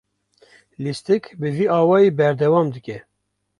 Lîstik bi vî awayî berdewam dike.